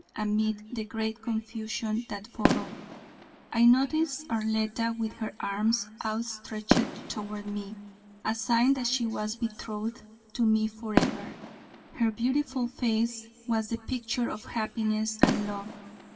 Amid the great confusion that followed, I noticed Arletta with her arms outstretched toward me a sign that she was betrothed to me forever. Her beautiful face was the picture of happiness and love.